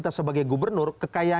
di kata itu ke ista putra